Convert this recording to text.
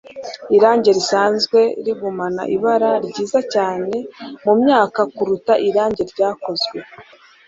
irangi risanzwe rigumana ibara ryiza cyane mumyaka kuruta irangi ryakozwe